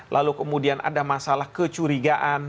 lalu kemudian ada masalah kecurigaan